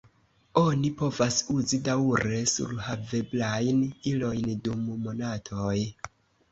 Oni povas uzi daŭre surhaveblajn ilojn dum monatoj.